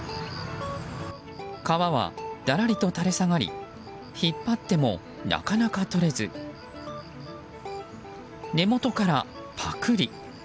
皮はだらりと垂れ下がり引っ張ってもなかなか取れず根元からパクリ。